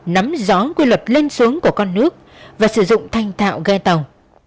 nắm gió quy luật lên xuống của con nước và sử dụng thanh thạo ghe tàu